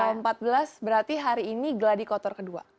kalau empat belas berarti hari ini gladi kotor kedua